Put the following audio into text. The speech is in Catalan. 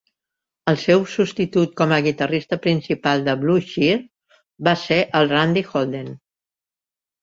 El seu substitut com a guitarrista principal de Blue Cheer va ser el Randy Holden.